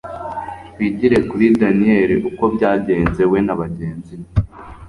twigire kuri daniyeli uko byagenze we nabagenzi be